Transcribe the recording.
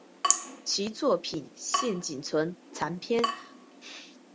其作品现仅存残篇。